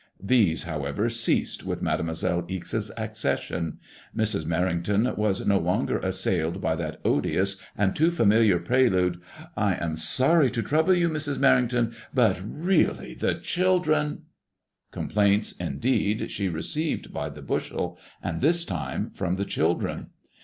These, how ever, ceased with Mademoiselle Ixe's accession. Mrs. Merring ton was no longer assailed by that odious and too familiar prelude —" I am sorry to trouble you, Mrs. Merrington, but really the children *' Complaints, indeed, she re ceived by the bushel, and this time from the children.